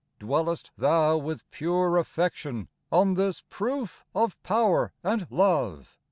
Dwellest thou with pure affection On this proof of power and love